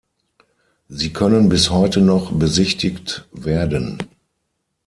Sie können bis heute noch besichtigt werden.